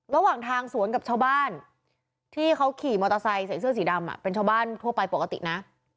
ระหว่างทางสวนกับชาวบ้านที่เขาขี่มอเตอร์ไซค์ใส่เสื้อสีดำเป็นชาวบ้านทั่วไปปกตินะ